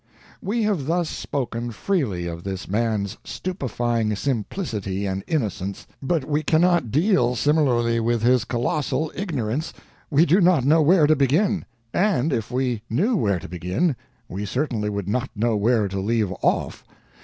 We have thus spoken freely of this man's stupefying simplicity and innocence, but we cannot deal similarly with his colossal ignorance. We do not know where to begin. And if we knew where to begin, we certainly would not know where to leave off.